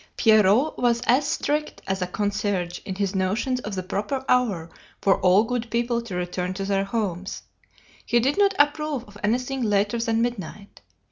"Pierrot was as strict as a concierge in his notions of the proper hour for all good people to return to their homes. He did not approve of anything later than midnight.